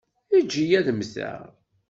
Eǧǧ-iyi ad mmteɣ.